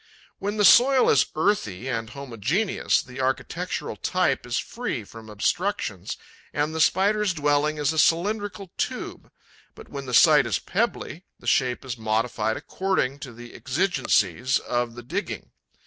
When the soil is earthy and homogeneous, the architectural type is free from obstructions and the Spider's dwelling is a cylindrical tube; but, when the site is pebbly, the shape is modified according to the exigencies of the digging.